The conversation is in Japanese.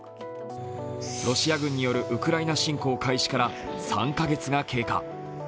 ロシア軍によるウクライナ侵攻開始から３カ月が経過。